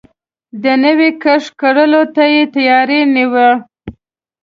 د نوی کښت کرلو ته يې تياری نيوه.